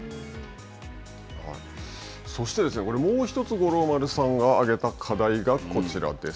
そして、もうひとつ五郎丸さんが挙げた課題がこちらです。